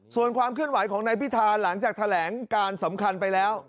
ส่วนความเคลื่อนไหวของนายพิธาหลังจากแถลงการสำคัญไปแล้ว